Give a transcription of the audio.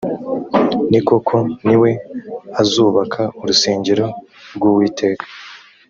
ni koko ni we azubaka urusengero rw’uwiteka